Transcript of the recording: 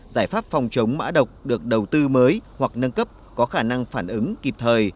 giải pháp phòng chống mã độc được đầu tư mới hoặc nâng cấp có khả năng phản ứng kịp thời